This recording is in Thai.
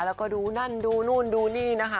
แล้วก็ดูนั่นดูนู่นดูนี่นะคะ